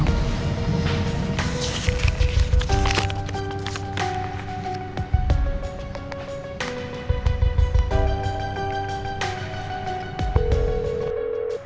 mungkin aja di tau